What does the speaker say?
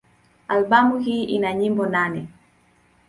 Albamu hii ina nyimbo nane.